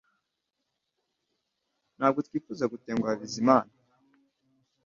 Ntabwo twifuza gutenguha Bizimana